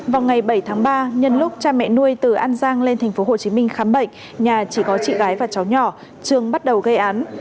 vào ngày bảy tháng ba nhân lúc cha mẹ nuôi từ an giang lên tp hcm khám bệnh nhà chỉ có chị gái và cháu nhỏ trường bắt đầu gây án